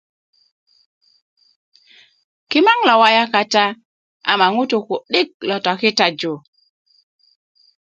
Kimaŋ na waya kata, ama ŋutuu ku'dik lo tokitaju.